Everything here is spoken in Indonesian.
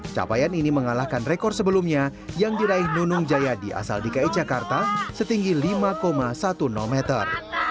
capaian ini mengalahkan rekor sebelumnya yang diraih nunung jayadi asal dki jakarta setinggi lima sepuluh meter